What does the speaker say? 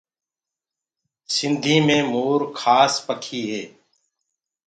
سنڌي مي مور کاس پکي هي۔